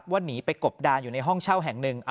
หนีไปกบดานอยู่ในห้องเช่าแห่งหนึ่ง